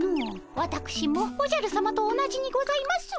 わたくしもおじゃるさまと同じにございます。